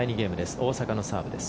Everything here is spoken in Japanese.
大坂のサーブです。